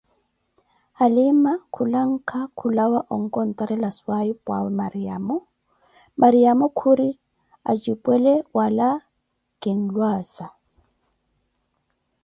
Halima khulanka khulawa onkontarela swahiphu'awe Mariamo, Mariamo khuri atjipwele wala kinlwaza